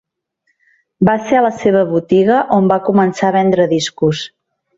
Va ser a la seva botiga on va començar a vendre discos.